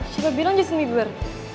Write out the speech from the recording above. coba bilang just a meaguer